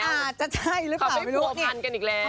อ่าจะใช่หรือเปล่าไม่รู้เนี่ยเขาไปผัวพันกันอีกแล้ว